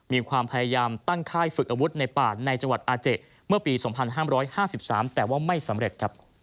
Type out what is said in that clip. มีความพยายามตั้งค่ายฝึกอาวุธในป่าในจังหวัดอาเจเมื่อปี๒๕๕๓แต่ว่าไม่สำเร็จครับ